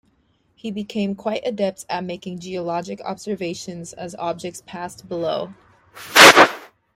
He became quite adept at making geologic observations as objects passed below.